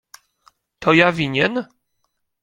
— To ja winien?